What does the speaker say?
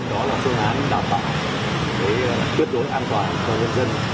đó là phương án đảm bảo tuyệt đối an toàn cho nhân dân